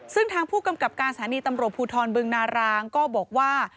ซึ่งทางผู้กำกับการสถานีตำรวจภูทรบึงนารางก็บอกว่า